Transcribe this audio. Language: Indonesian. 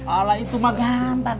ala itu mah gantan